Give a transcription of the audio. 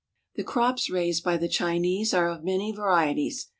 The crops raised by the Chinese are of many varieties.